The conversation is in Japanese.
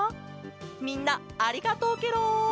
みんなありがとうケロ！